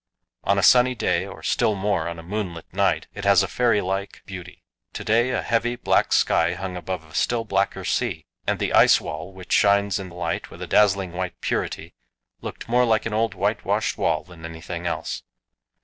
On a sunny day, or still more on a moonlit night, it has a fairylike beauty. To day a heavy, black sky hung above a still blacker sea, and the ice wall, which shines in the light with a dazzling white purity, looked more like an old white washed wall than anything else.